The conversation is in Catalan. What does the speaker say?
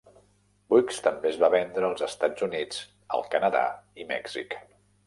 Buicks també es va vendre als Estats Units, el Canadà i Mèxic.